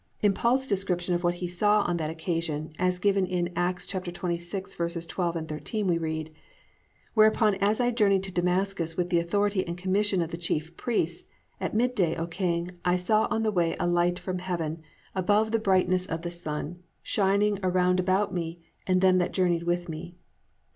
In Paul's description of what he saw on that occasion, as given in Acts 26:12, 13, we read, +"Whereupon as I journeyed to Damascus with the authority and commission of the chief priests, at midday, O king, I saw on the way a light from heaven, above the brightness of the sun, shining around about me and them that journeyed with me."